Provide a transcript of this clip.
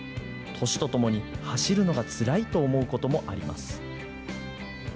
年とともに、走るのがつらいと思うこともあります。